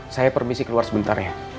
saya permisi keluar sebentar ya